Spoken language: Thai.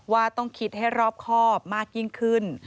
ว่าต้องคิดให้รอบครอบมากยิ่งขึ้น